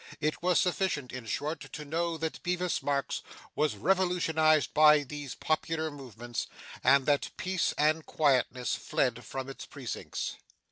It was sufficient, in short, to know that Bevis Marks was revolutionised by these popular movements, and that peace and quietness fled from its precincts.